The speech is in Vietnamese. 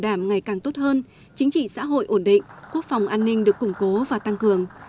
ngày càng tốt hơn chính trị xã hội ổn định quốc phòng an ninh được củng cố và tăng cường